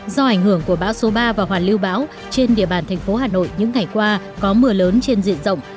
do ảnh hưởng của bão số ba và hoàn lưu bão trên địa bàn thành phố hà nội những ngày qua có mưa lớn trên diện rộng